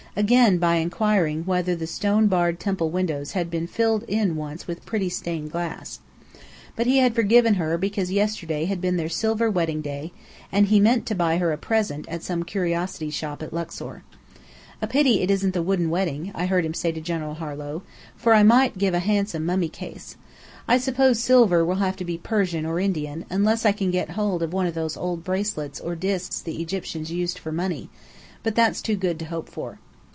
again by inquiring whether the stone barred temple windows had been "filled in once with pretty stained glass?" But he had forgiven her because yesterday had been their silver wedding day, and he meant to buy her a present at some curiosity shop at Luxor. "A pity it isn't the wooden wedding," I heard him say to General Harlow, "for I might give a handsome mummy case. I suppose silver will have to be Persian or Indian, unless I can get hold of one of those old bracelets or discs the Egyptians used for money: but that's too good to hope for."